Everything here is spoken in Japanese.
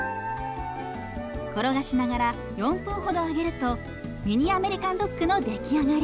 転がしながら４分ほど揚げるとミニアメリカンドッグの出来上がり。